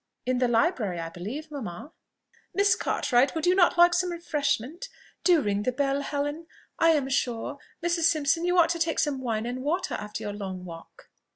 "In the library, I believe, mamma." "Miss Cartwright, would you not like some refreshment?... Do ring the bell, Helen. I am sure, Mrs. Simpson, you ought to take some wine and water after your long walk."